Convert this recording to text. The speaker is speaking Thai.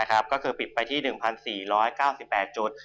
ก็คือปิดไปที่๑๔๙๘จุด